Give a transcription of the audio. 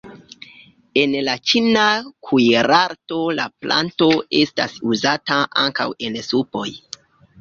En la ĉina kuirarto la planto estas uzata ankaŭ en supoj.